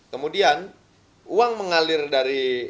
kemudian uang mengalir dari